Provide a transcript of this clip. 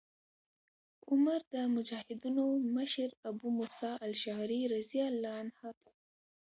عمر د مجاهدینو مشر ابو موسی الأشعري رضي الله عنه ته